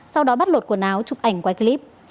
sau đó bắt lột quần áo chụp ảnh quay clip